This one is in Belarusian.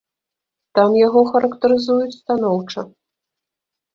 Там яго характарызуюць станоўча.